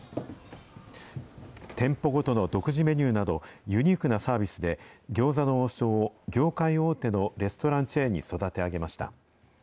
店舗ごとの独自メニューなど、ユニークなサービスで、餃子の王将を業界大手のレストランチェーンに育て上げました。